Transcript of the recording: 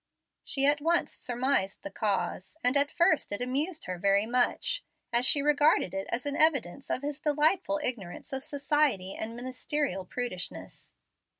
She at once surmised the cause; and at first it amused her very much, as she regarded it as an evidence of his delightful ignorance of society and ministerial prudishness.